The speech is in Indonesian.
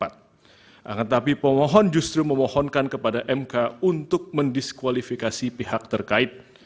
akan tetapi pemohon justru memohonkan kepada mk untuk mendiskualifikasi pihak terkait